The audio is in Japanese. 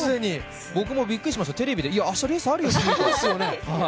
僕もびっくりしました、明日レースあるよと。